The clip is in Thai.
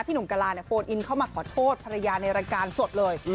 หนุ่มกะลาโฟนอินเข้ามาขอโทษภรรยาในรายการสดเลย